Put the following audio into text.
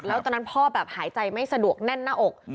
แล้วตอนนั้นพ่อแบบหายใจไม่สะดวกแน่นหน้าอก